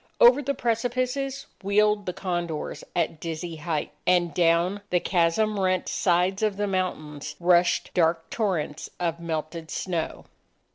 Over the precipices, wheeled the condors at dizzy height. And down the chasm rent sides of the mountains, rushed dark torrents of melted snow.